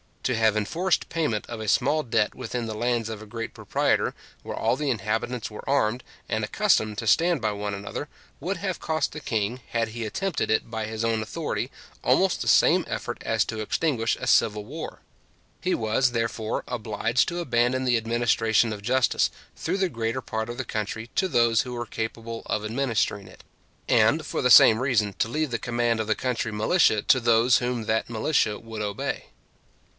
To have enforced payment of a small debt within the lands of a great proprietor, where all the inhabitants were armed, and accustomed to stand by one another, would have cost the king, had he attempted it by his own authority, almost the same effort as to extinguish a civil war. He was, therefore, obliged to abandon the administration of justice, through the greater part of the country, to those who were capable of administering it; and, for the same reason, to leave the command of the country militia to those whom that militia would obey.